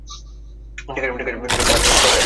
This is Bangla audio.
ঠিক আছে, আর হিউস্টন অ্যান্ড গ্রিনউইচ জায়গাটা?